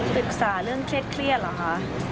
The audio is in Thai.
ปรึกษาเรื่องเครียดเหรอคะ